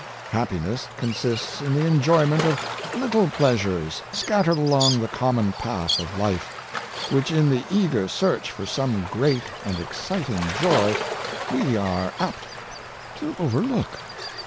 Happi ness consists in the enjoyment of little pleasures scat tered along the common path of life, which in the eager search for some great and exciting joy, we are apt to 12 Art of Living Exemplified, overlook.